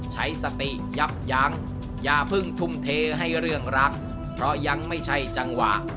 ใช้สติยับยั้งอย่าเพิ่งทุ่มเทให้เรื่องรักเพราะยังไม่ใช่จังหวะ